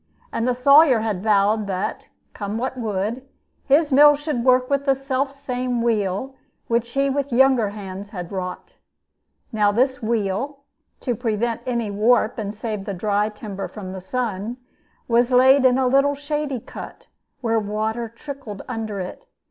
And the Sawyer had vowed that, come what would, his mill should work with the self same wheel which he with younger hands had wrought. Now this wheel (to prevent any warp, and save the dry timber from the sun) was laid in a little shady cut, where water trickled under it.